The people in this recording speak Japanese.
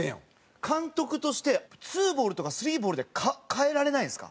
監督としてツーボールとかスリーボールで代えられないんですか？